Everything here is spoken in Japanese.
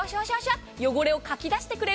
汚れをかき出してくれる。